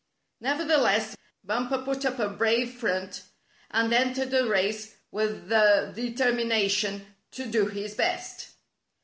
Nevertheless, Bumper put up a brave front, and entered the race with the determination to do his best.